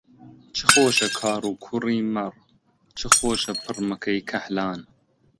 چ خۆشە کاڕ و کووڕی مەڕ، چ خۆشە پڕمەکەی کەحلان